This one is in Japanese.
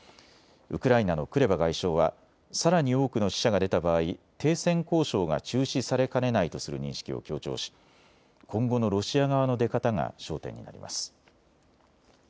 ウクライナのクレバ外相はさらに多くの死者が出た場合停戦交渉が中止されかねないとする認識を強調し今後のロシア側の出方が焦点になります。